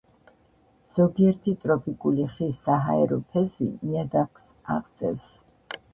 ზოგიერთი ტროპიკული ხის საჰაერო ფესვი ნიადაგს აღწევს.